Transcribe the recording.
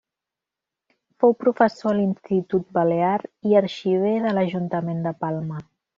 Fou professor a l'Institut Balear i arxiver de l'Ajuntament de Palma.